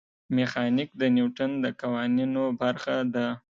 میخانیک د نیوټن د قوانینو برخه ده.